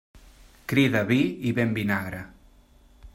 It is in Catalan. Crida vi i ven vinagre.